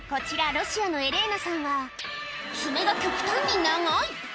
ロシアのエレーナさんは爪が極端に長い！